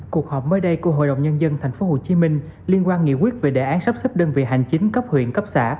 cuộc họp mới đây của hội đồng nhân dân thành phố hồ chí minh liên quan nghị quyết về đề án sắp xếp đơn vị hành chính cấp huyện cấp xã